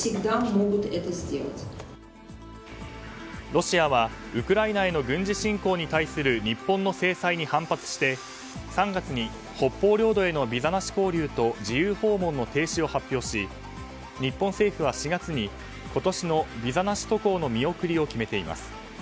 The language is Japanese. ロシアはウクライナへの軍事侵攻に対する日本の制裁に反発して３月に北方領土へのビザなし交流と自由訪問の停止を発表し日本政府は４月に今年のビザなし渡航の見送りを決めています。